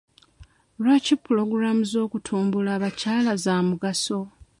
Lwaki puloogulaamu z'okutumbula abakyala za mugaso?